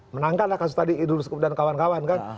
menangkan lah kasus tadi idul sukup dan kawan kawan kan